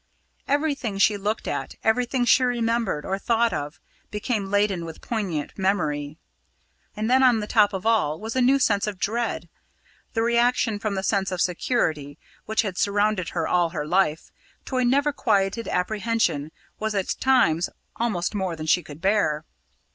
Everything she looked at, everything she remembered or thought of, became laden with poignant memory. Then on the top of all was a new sense of dread. The reaction from the sense of security, which had surrounded her all her life, to a never quieted apprehension, was at times almost more than she could bear.